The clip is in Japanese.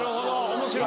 面白い。